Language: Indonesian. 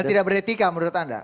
dan tidak beretika menurut anda